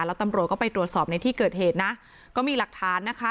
แล้วตำรวจก็ไปตรวจสอบในที่เกิดเหตุนะก็มีหลักฐานนะคะ